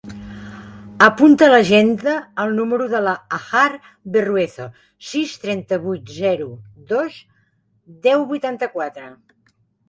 Apunta a l'agenda el número de la Hajar Berruezo: sis, trenta-vuit, zero, dos, deu, vuitanta-quatre.